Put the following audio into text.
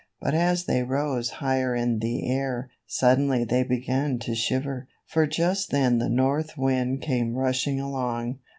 But as they rose higher in the air, suddenly they began to shiver, for just then the North Wind came rushing along.